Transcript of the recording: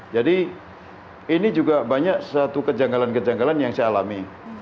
jadi ini juga banyak satu kejanggalan kejanggalan yang saya alami